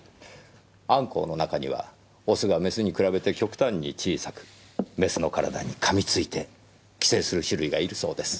アンコウの中にはオスがメスに比べて極端に小さくメスの体に噛みついて寄生する種類がいるそうです。